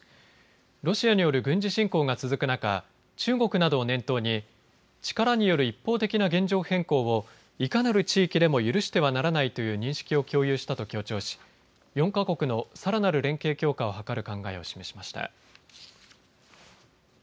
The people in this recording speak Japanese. ロシアによる軍事侵攻が続く中、中国などを念頭に力による一方的な現状変更をいかなる地域でも許してはならないという認識を共有したと強調し４か国のさらなる連携強化を図る考えを示しました。